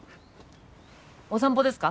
お散歩ですか？